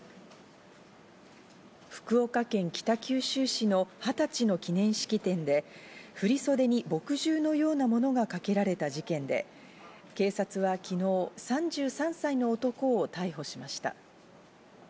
福岡県北九州市の「二十歳の記念式典」で振り袖に墨汁のようなものがかけられた事件で、警察は昨日、３３歳の男を逮捕しました。